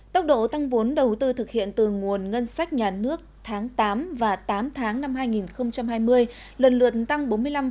tốc độ tăng vốn đầu tư thực hiện từ nguồn ngân sách nhà nước tháng tám và tám tháng năm hai nghìn hai mươi lần lượt tăng bốn mươi năm